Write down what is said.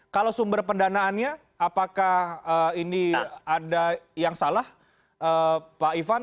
kalau sumber pendanaannya apakah ini ada yang salah pak ivan